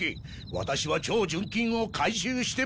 ワタシは超純金を回収して戻る。